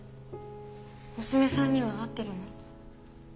娘さんには会ってるの？